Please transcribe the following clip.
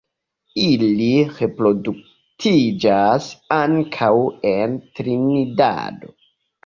Ili reproduktiĝas ankaŭ en Trinidado.